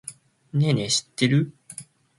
ねぇねぇ、知ってる？